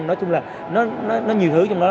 nói chung là nó nhiều thứ trong đó